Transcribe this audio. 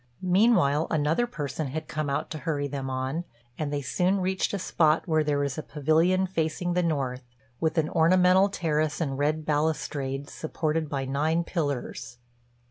Meanwhile another person had come out to hurry them on, and they soon reached a spot where there was a pavilion facing the north, with an ornamental terrace and red balustrades, supported by nine pillars.